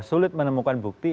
sulit menemukan bukti